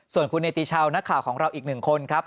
ส่วนคุณเนติชาวนักข่าวของเราอีกหนึ่งคนครับ